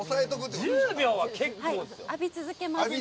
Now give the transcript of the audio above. １０秒は結構ですよ。